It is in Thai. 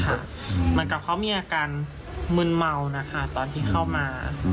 เหมือนกับเขามีอาการมึนเมานะคะตอนที่เข้ามา